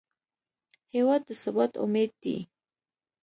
هېواد د ثبات امید دی.